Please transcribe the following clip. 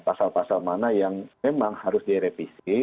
pasal pasal mana yang memang harus direvisi